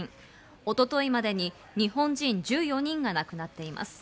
一昨日までに日本人１４人が亡くなっています。